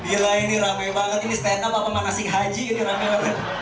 gila ini rame banget ini stand up apa mana si haji ini rame